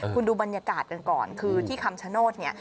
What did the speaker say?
คุณดูบรรยากาศกันก่อนคือที่คำชโนธเนี่ย